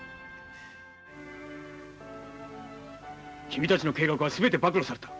君たちの計画は全て暴露された。